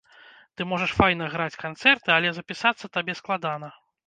Ты можаш файна граць канцэрты, але запісацца табе складана.